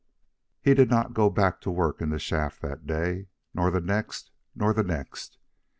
He did not go back to work in the shaft that day, nor the next, nor the next.